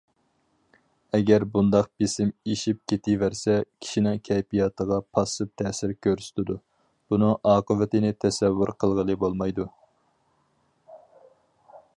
ئەگەر بۇنداق بېسىم ئېشىپ كېتىۋەرسە، كىشىنىڭ كەيپىياتىغا پاسسىپ تەسىر كۆرسىتىدۇ، بۇنىڭ ئاقىۋىتىنى تەسەۋۋۇر قىلغىلى بولمايدۇ.